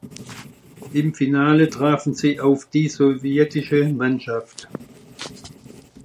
Im Finale trafen sie auf die sowjetische Mannschaft.